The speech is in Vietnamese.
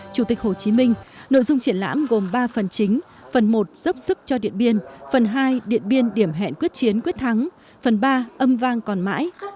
chủ tịch hồ chí minh nội dung triển lãm gồm ba phần chính phần một dốc sức cho điện biên phần hai điện biên điểm hẹn quyết chiến quyết thắng phần ba âm vang còn mãi